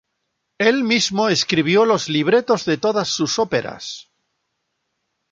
Él mismo escribió los libretos de todas sus óperas.